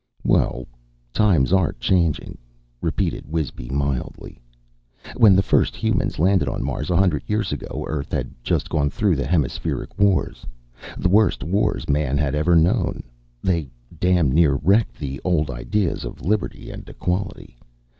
"Well, times are changing," repeated Wisby mildly. "When the first humans landed on Mars a hundred years ago, Earth had just gone through the Hemispheric Wars. The worst wars man had ever known. They damned near wrecked the old ideas of liberty and equality.